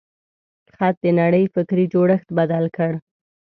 خط د نړۍ فکري جوړښت بدل کړ.